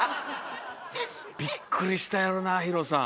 びっくりしたやろなＨＩＲＯさん。